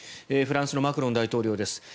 フランスのマクロン大統領です。